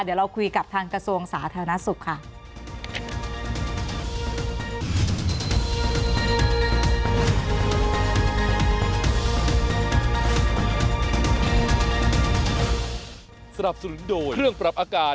เดี๋ยวเราคุยกับทางกระทรวงสาธารณสุขค่ะ